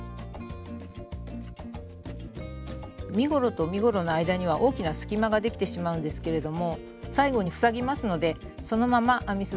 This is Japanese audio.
身ごろと身ごろの間には大きな隙間ができてしまうんですけれども最後に塞ぎますのでそのまま編み進んで下さい。